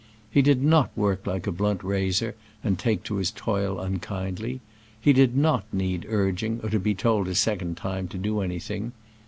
He did not work like a blunt razor and take to his toil unkindly. He did not need ■ urging or to be told a second time to do anything.